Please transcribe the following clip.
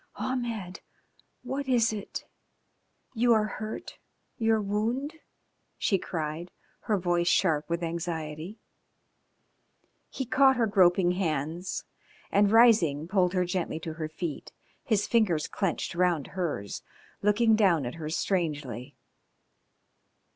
"Ahmed! What is it?... You are hurt your wound ?" she cried, her voice sharp with anxiety. He caught her groping hands, and rising, pulled her gently to her feet, his fingers clenched round hers, looking down at her strangely.